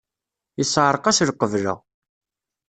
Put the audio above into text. Yesseɛreq-as lqebla.